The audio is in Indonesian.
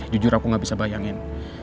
jujur aku gak bisa bayangin